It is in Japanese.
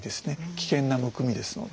危険なむくみですので。